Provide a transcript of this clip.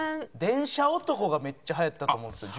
『電車男』がめっちゃ流行ったと思うんですよ。